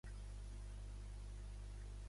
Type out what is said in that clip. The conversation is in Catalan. I quina situació preveu després del referèndum?